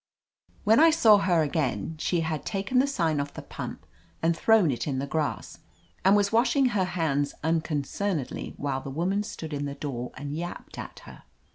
When I saw her again she had taken the sign off the pump and thrown it in the grass, and was washing her hands uncon cernedly while the woman stood in the door and yapped at her.